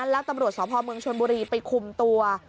แล้วตำรวจสพเมืองชนบุรีไปคุมตัว